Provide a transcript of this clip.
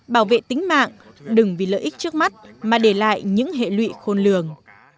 bảo vệ tính mạng đừng vì lợi ích trước mắt mà để lại những hệ lụy khôn lường